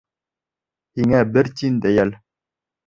Һиңә бер тин дә йәл.